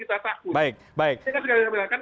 untuk kebaikan rakyat ngapain kita takut